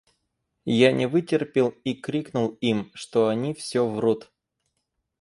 Я не вытерпел и крикнул им, что они всё врут.